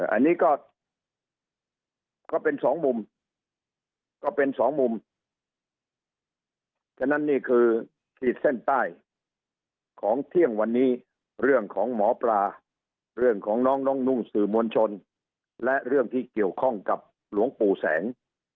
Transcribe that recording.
อันนี้ก็เป็นสองมุมก็เป็นสองมุมฉะนั้นนี่คือขีดเส้นใต้ของเที่ยงวันนี้เรื่องของหมอปลาเรื่องของน้องน้องนุ่งสื่อมวลชนและเรื่องที่เกี่ยวข้องกับหลวงปู่แสง